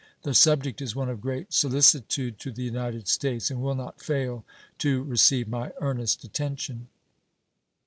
The subject is one of great solicitude to the United States, and will not fail to receive my earnest attention.